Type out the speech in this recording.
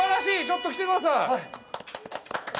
ちょっと来てください。